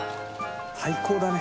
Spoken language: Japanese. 最高だね。